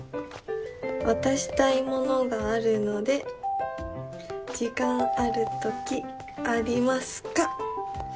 渡したいものがあるので時間ある時ありますか？」。